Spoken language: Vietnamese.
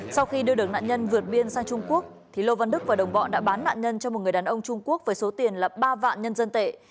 sau khi đưa được nạn nhân vượt biên sang trung quốc lô văn đức và đồng bọn đã bán nạn nhân cho một người đàn ông trung quốc với số tiền là ba vạn nhân dân tệ